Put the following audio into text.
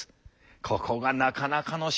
ここがなかなかの代物だ。